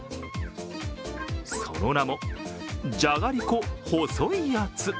その名も、じゃがりこ細いやつ。